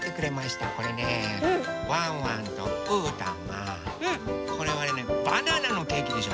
これねワンワンとうーたんがこれはバナナのケーキでしょ